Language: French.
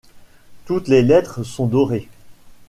Toutes les lettres sont dorées.